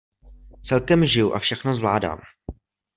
Celkem žiju a všechno zvládám.